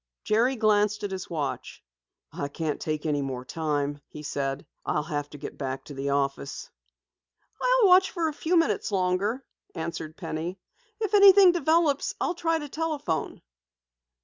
Jerry glanced at his watch. "I can't take any more time," he said. "I'll have to get back to the office." "I'll watch a few minutes longer," answered Penny. "If anything develops I'll try to telephone."